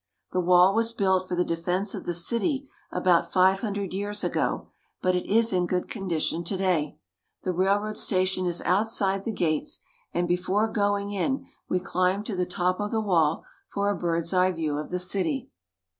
The wall was built for the defense of the city about five hundred years ago, but it is in good conditioil to day. The railroad station is outside the gates, and before going in we chmb to the top of the wall for a bird's eye view of the city.